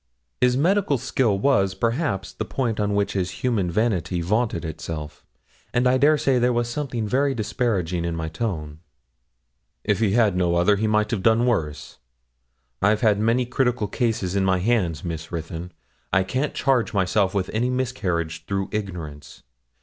His medical skill was, perhaps, the point on which his human vanity vaunted itself, and I dare say there was something very disparaging in my tone. 'And if he had no other, he might have done worse. I've had many critical cases in my hands, Miss Ruthyn. I can't charge myself with any miscarriage through ignorance.